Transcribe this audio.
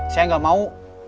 saya enggak mau